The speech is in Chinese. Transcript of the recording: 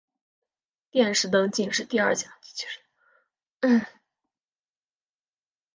殿试登进士第二甲第七十三名。